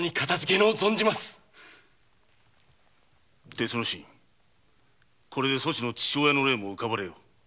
鉄之進これでそちの父親の霊も浮かばれよう。